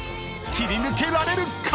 切り抜けられるか⁉］